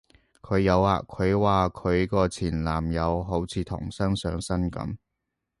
佢有啊，佢話佢個前男友好似唐僧上身噉